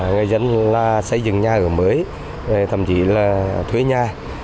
người dân là xây dựng nhà ở mới thậm chí là thuê nhà